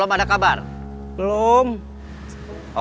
kamu nggak punya kue